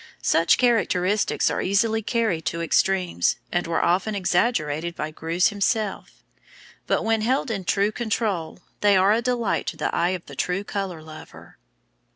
Such characteristics are easily carried to extremes, and were often exaggerated by Greuze himself; but when held in true control they are a delight to the eye of the true color lover.